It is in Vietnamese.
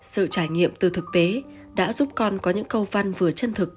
sự trải nghiệm từ thực tế đã giúp con có những câu văn vừa chân thực